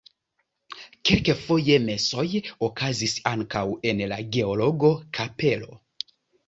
Kelkfoje mesoj okazis ankaŭ en la Georgo-kapelo.